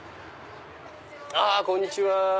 こんにちは。